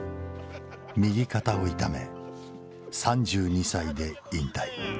右肩を痛め３２歳で引退。